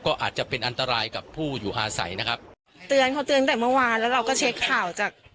ก็อาจจะเป็นอันตรายกับผู้อยู่อาศัยนะครับเตือนเขาเตือนแต่เมื่อวานแล้วเราก็เช็คข่าวจาก